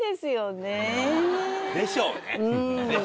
でしょうね。